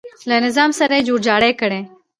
له نظام سره یې جوړ جاړی کړی.